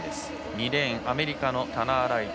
２レーンアメリカのタナー・ライト。